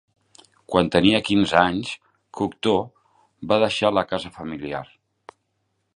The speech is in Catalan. Quan tenia quinze anys, Cocteau va deixar la casa familiar.